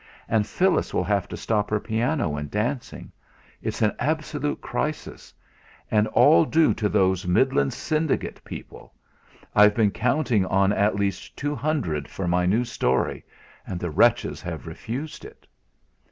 And Phyllis will have to stop her piano and dancing; it's an absolute crisis. And all due to those Midland Syndicate people. I've been counting on at least two hundred for my new story, and the wretches have refused it."